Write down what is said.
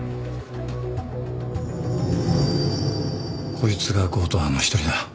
こいつが強盗犯の一人だ。